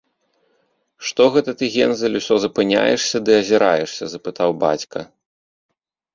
- Што гэта ты, Гензель, усё запыняешся ды азіраешся? - запытаў бацька